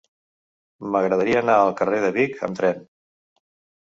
M'agradaria anar al carrer de Vic amb tren.